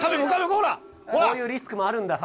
こういうリスクもあるんだ。